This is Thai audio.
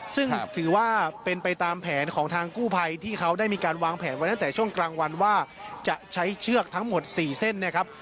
ซึ่งถือว่าเป็นไปตามแผนของทางกู้ภัยที่เขาได้มีการวางแผนไว้ตั้งแต่ช่วงกลางวันว่าจะใช้เชือกทั้งหมด๔เส้นนะครับ